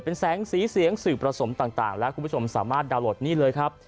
เป็นแสงสีเสียงสื่อผสมต่างและคุณผู้ชมสามารถดาวน์โหลดนี่เลยครับ